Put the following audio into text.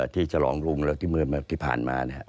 ที่ฉลองลุงแล้วที่เมื่อเมื่อกี้ผ่านมานะครับ